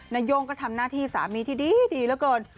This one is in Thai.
นาย่งก็ทำหน้าที่สามีที่ดีเหลือเกิน